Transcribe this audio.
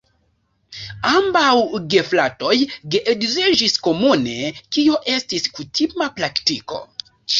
Ambaŭ gefratoj geedziĝis komune, kio estis kutima praktiko.